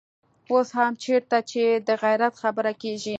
اوس هم چېرته چې د غيرت خبره کېږي.